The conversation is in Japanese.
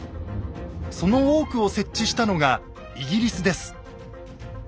その多くを設置したのがイギリスです。